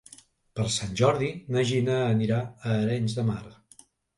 Per Sant Jordi na Gina anirà a Arenys de Mar.